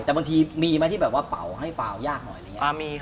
แต่บางทีมีไหมที่แบบว่าเป่าให้เปล่ายากหน่อยอะไรอย่างนี้